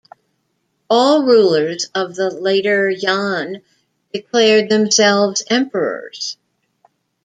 All rulers of the Later Yan declared themselves "emperors".